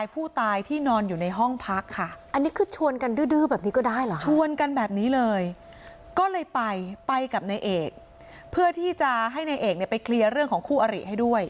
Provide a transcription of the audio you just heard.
ไปกับนายเอกเพื่อที่จะให้นายเอกไปเคลียร์เรื่องของคู่อริให้ด้วย